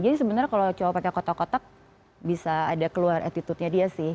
jadi sebenarnya kalau cowok pakai kotak kotak bisa ada keluar attitude nya dia sih